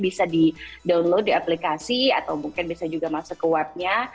bisa di download di aplikasi atau mungkin bisa juga masuk ke webnya